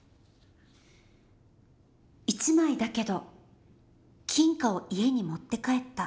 「一枚だけど金貨を家に持って帰った。